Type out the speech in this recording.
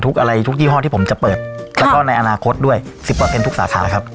ทุกอะไรทุกยี่ห้อที่ผมจะเปิดครับแล้วก็ในอนาคตด้วยสิบเปอร์เพ้นตุ๊กสาขาครับ